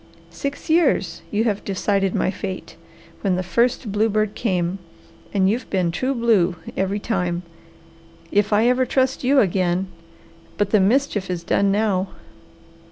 Six years you have decided my fate, when the first bluebird came, and you've been true blue every time. If I ever trust you again! But the mischief is done now.